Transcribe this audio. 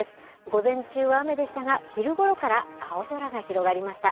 午前中は雨でしたが、昼ごろから青空が広がりました。